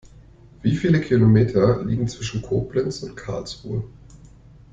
Wie viele Kilometer liegen zwischen Koblenz und Karlsruhe?